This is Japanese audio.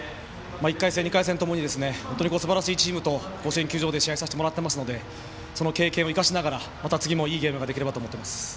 １回戦、２回戦ともにすばらしいチームと甲子園試合させてもらったのでその経験を生かしながらまた次もいいゲームができればと思っています。